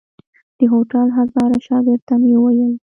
د هوټل هزاره شاګرد ته مې وويل.